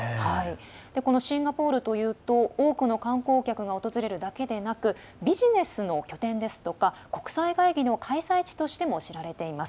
シンガポールというと多くの観光客が訪れるだけでなくビジネスの拠点ですとか国際会議の開催地としても知られています。